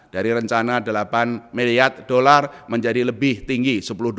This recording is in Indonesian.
dari rencana delapan miliar dolar menjadi lebih tinggi